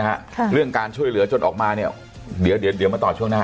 ค่ะเรื่องการช่วยเหลือจนออกมาเนี้ยเดี๋ยวเดี๋ยวมาต่อช่วงหน้า